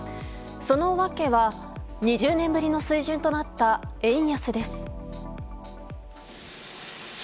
その訳は、２０年ぶりの水準となった円安です。